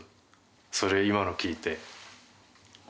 それ、今の聞いて。